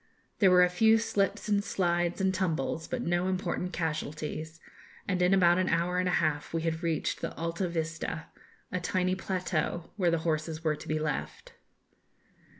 There were a few slips and slides and tumbles, but no important casualties; and in about an hour and a half we had reached the 'Alta Vista,' a tiny plateau, where the horses were to be left.